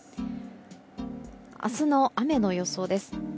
明日の雨の予想です。